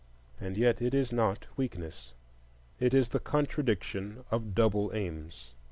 And yet it is not weakness,—it is the contradiction of double aims.